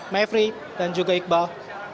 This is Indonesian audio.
mevry dan juga iqbal